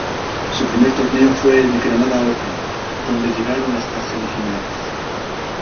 Su primer torneo fue el Granada Open, donde llegaron hasta semifinales.